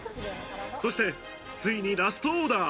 そして、ついにラストオーダー。